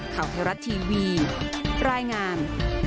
ข่าวเทวรัตน์ทีวีรายงาน